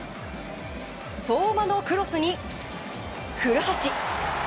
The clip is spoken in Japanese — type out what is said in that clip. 相馬のクロスに、古橋。